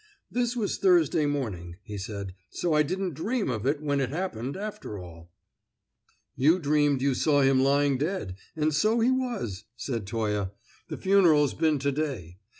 "This was Thursday morning," he said, "so I didn't dream of it when it happened, after all." "You dreamed you saw him lying dead, and so he was," said Toye. "The funeral's been to day.